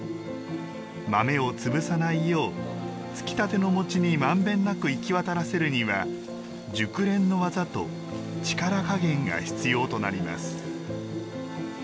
豆をつぶさないようつきたての餅にまんべんなく行き渡らせるには熟練の技と力加減が必要となります。